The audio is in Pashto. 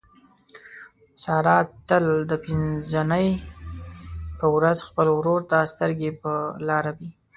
ساره تل د پینځه نۍ په ورخ خپل ورور ته سترګې په لاره وي.